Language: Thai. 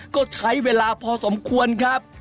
ก็ใช้เวลาพอสมควรครับ